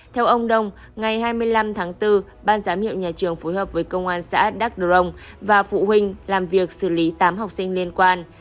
theo ông đông ngày hai mươi năm tháng bốn ban giám hiệu nhà trường phối hợp với công an xã đắk đông và phụ huynh làm việc xử lý tám học sinh liên quan